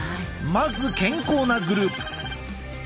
まず健康なグループ。